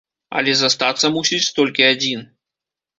Але застацца мусіць толькі адзін!